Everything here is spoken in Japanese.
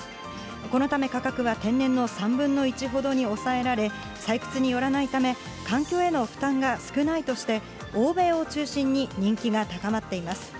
このため価格は天然の３分の１ほどに押さえられ、採掘によらないため、環境への負担が少ないとして、欧米を中心に人気が高まっています。